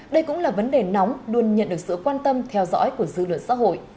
đây cũng là vấn đề nóng luôn nhận được sự quan tâm theo dõi của dư luận xã hội